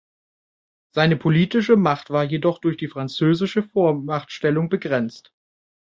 Seine politische Macht war jedoch durch die französische Vormachtstellung begrenzt.